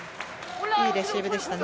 いいレシーブでしたね。